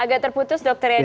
agak terputus dokter yadi